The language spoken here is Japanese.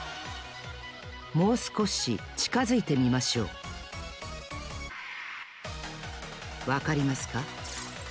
もうすこしちかづいてみましょうわかりますか？